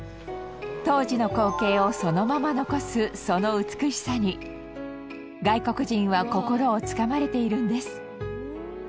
当時の光景をそのまま残すその美しさに外国人は心をつかまれているんです。